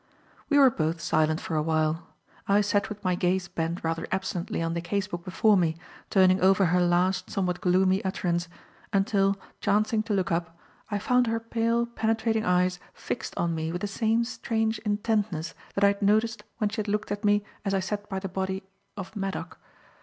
We were both silent for awhile. I sat with my gaze bent rather absently on the case book before me, turning over her last somewhat gloomy utterance, until, chancing to look up, I found her pale, penetrating eyes fixed on me with the same strange intentness that I had noticed when she had looked at me as I sat by the body of Maddock.